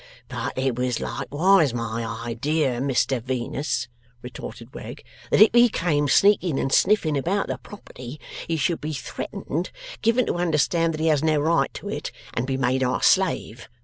'But it was likewise my idea, Mr Venus,' retorted Wegg, 'that if he came sneaking and sniffing about the property, he should be threatened, given to understand that he has no right to it, and be made our slave.